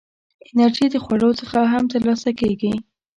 انرژي د خوړو څخه هم ترلاسه کېږي.